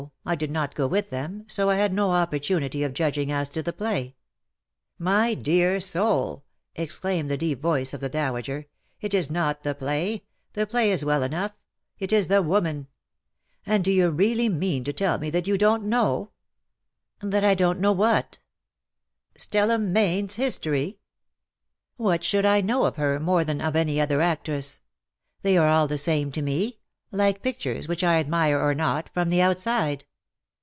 I did not go with them, so I had no opportunity of judging as to the play." *' My dear soul," exclaimed the deep voice of the dowager, '^ it is not the play — the play is well enough — it is the woman ! And do you really mean to tell me that you don't know ?" 238 LE SECRET DE POLICIIINELLE. " That I don't know what ?"" Stella Mayne's history V '^What should I know of her more than of any other actress ? They are all the same to me, like pictures, which I admire or not, from the outside.